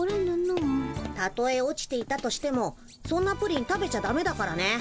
たとえ落ちていたとしてもそんなプリン食べちゃダメだからね。